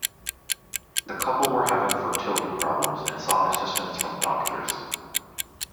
The couple were having fertility problems and sought assistance from doctors.